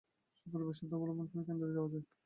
সকল ব্যাসার্ধ অবলম্বন করেই কেন্দ্রে যাওয়া যায়।